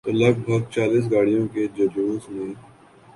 تو لگ بھگ چالیس گاڑیوں کے جلوس میں۔